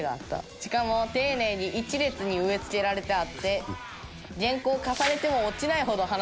しかも丁寧に一列に植え付けられてあって原稿を重ねても落ちないほど鼻毛が強かった。